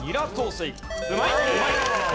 うまいうまい！